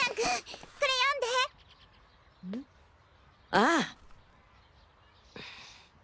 ああ！